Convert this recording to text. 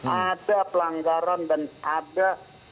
ada pelanggaran dan ada